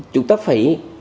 chúng ta phải